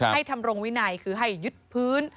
ทำรงวินัยคือให้ยึดพื้น